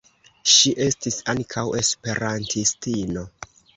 Ŝi estis ankaŭ esperantistino.